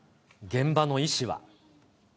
現場の医師は。